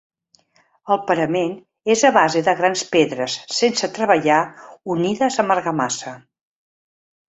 El parament és a base de grans pedres sense treballar unides amb argamassa.